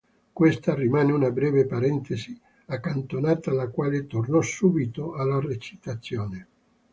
Questa rimane una breve parentesi, accantonata la quale tornò subito alla recitazione.